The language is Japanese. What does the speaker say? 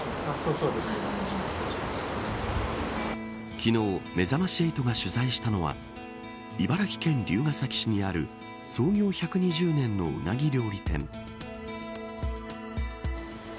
昨日めざまし８が取材したのは茨城県龍ケ崎市にある創業１２０年のうなぎ料理店。